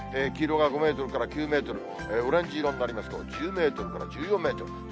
黄色が５メートルから９メートル、オレンジ色になりますと、１０メートルとか１４メートル。